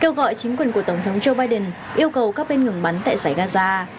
kêu gọi chính quyền của tổng thống joe biden yêu cầu các bên ngừng bắn tại giải gaza